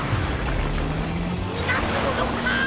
にがすものか！